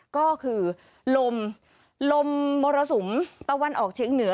ก็คือลมลมมรสุมตะวันออกเฉียงเหนือ